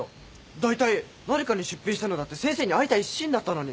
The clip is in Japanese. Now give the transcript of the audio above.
だいたい鳴華に出品したのだって先生に会いたい一心だったのに。